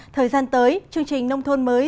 thời gian tới chương trình nông thôn mới